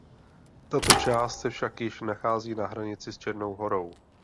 Tato část se však již nachází na hranici s Černou Horou.